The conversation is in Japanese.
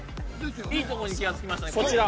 いいところに気がつきましたね。